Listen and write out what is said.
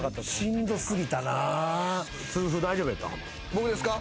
僕ですか？